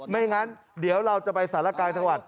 ไม่งั้นเดี๋ยวเราจะไปสารกลางจังหวัด